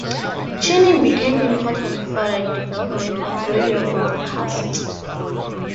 Tuning became important for the development of radio broadcasts.